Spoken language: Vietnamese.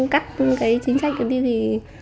cắt cái chính trách đầu tiên thì